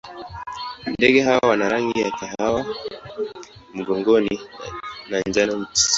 Ndege hawa wana rangi ya kahawa mgongoni na njano chini.